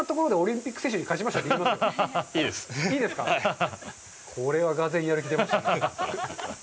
はいこれはがぜんやる気出ましたね